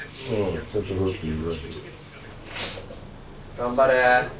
頑張れ。